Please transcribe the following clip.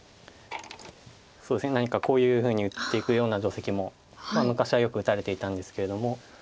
そうですね何かこういうふうに打っていくような定石も昔はよく打たれていたんですけれども。